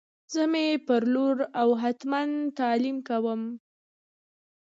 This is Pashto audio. زه می پر لور او هتمن تعلیم کوم